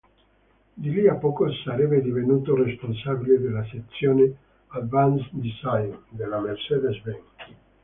Di lì a poco sarebbe divenuto responsabile della sezione "Advanced Design" della Mercedes-Benz.